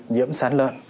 nhiễm sán lợn